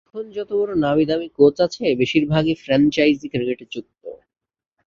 এখন যত বড় নামীদামি কোচ আছে, বেশির ভাগই ফ্র্যাঞ্চাইজি ক্রিকেটে যুক্ত।